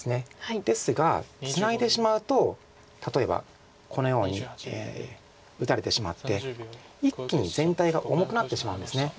ですがツナいでしまうと例えばこのように打たれてしまって一気に全体が重くなってしまうんです。